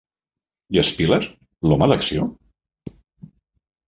I Spiller, l'home d'acció?